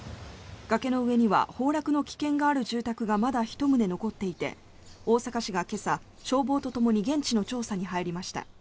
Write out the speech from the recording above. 崖の上には崩落の危険がある住宅がまだ１棟残っていて大阪市が今朝、消防とともに現地の調査に入りました。